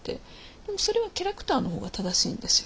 でもそれはキャラクターの方が正しいんですよ。